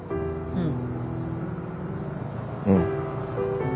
うん。